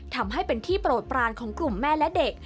ทำให้เป็นที่โปรดปรานของกลุ่มแม่และเด็ก